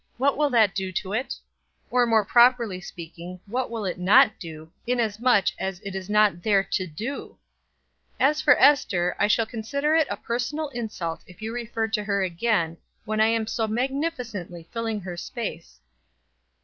What will that do to it? or, more properly speaking, what will it not do, inasmuch as it is not there to do? As for Ester, I shall consider it a personal insult if you refer to her again, when I am so magnificently filling her place."